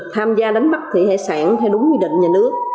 tham gia đánh bắt thị hệ sản theo đúng quy định nhà nước